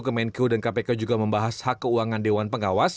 kemenku dan kpk juga membahas hak keuangan dewan pengawas